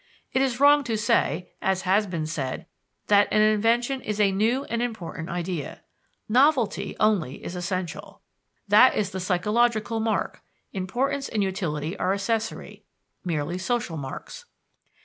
It is wrong to say, as has been said, that an invention "is a new and important idea." Novelty only is essential that is the psychological mark: importance and utility are accessory, merely social marks.